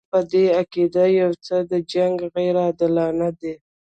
موږ په دې عقیده یو چې دا جنګ غیر عادلانه دی.